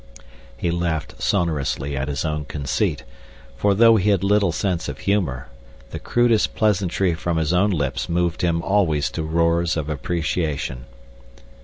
He laughed sonorously at his own conceit, for, though he had little sense of humor, the crudest pleasantry from his own lips moved him always to roars of appreciation.